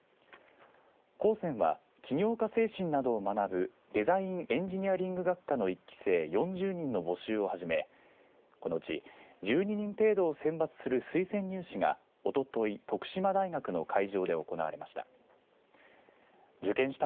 高専は企業家精神などを学ぶデザイン・エンジニアリング学科の１期生４０人の募集を始めこのうち１２人程度を選抜する推薦入試がおととい徳島大学の会場で行われました。